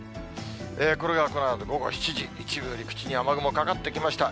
これがこのあと午後７時、一部、陸地に雨雲かかってきました。